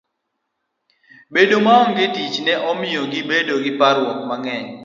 Bedo maonge tich ne miyo gibedo gi parruok mang'eny.